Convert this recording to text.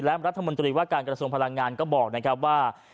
และรัฐมนตรีว่าการกระทรวงพลังงานก็บอกนะครับว่า